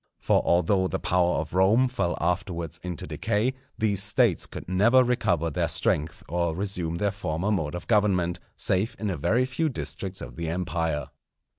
For although the power of Rome fell afterwards into decay, these States could never recover their strength or resume their former mode of government, save in a very few districts of the Empire.